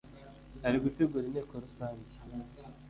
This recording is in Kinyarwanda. ari gutegura inteko rusange